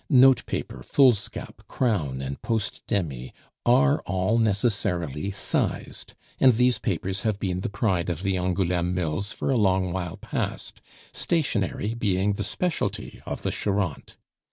Notepaper, foolscap, crown, and post demy are all necessarily sized; and these papers have been the pride of the Angouleme mills for a long while past, stationery being the specialty of the Charente.